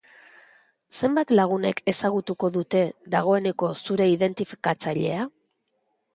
Zenbat lagunek ezagutuko dute, dagoeneko zure identifikatzailea?